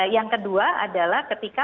yang kedua adalah ketika